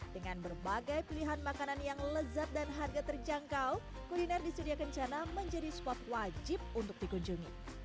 dengan berbagai pilihan makanan yang lezat dan harga terjangkau kuliner di sedia kencana menjadi spot wajib untuk dikunjungi